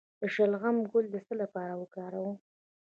د شلغم ګل د څه لپاره وکاروم؟